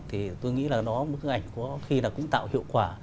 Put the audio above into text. thì tôi nghĩ là nó bức ảnh có khi là cũng tạo hiệu quả